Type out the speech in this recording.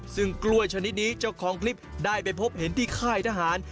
ซึ่งกล้วยชนิดนี้เจ้าของคลิปได้ไปพบเห็นที่ค่ายทหาร